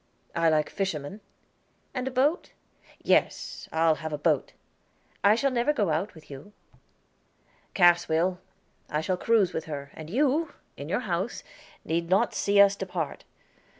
"I like fishermen." "And a boat?" "Yes, I'll have a boat." "I shall never go out with you." "Cass will. I shall cruise with her, and you, in your house, need not see us depart.